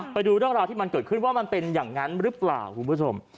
ไปดูเรื่องราวที่มันเกิดขึ้นว่ามันเป็นอย่างนั้นหรือเปล่าคุณผู้ชม